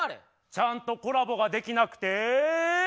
ちゃんとコラボができなくて。